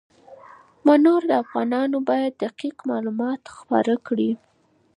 منور افغانان باید دقیق معلومات خپاره کړي.